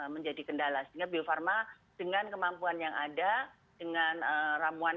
menjadi kendala sehingga bio farma dengan kemampuan yang ada dengan ramuan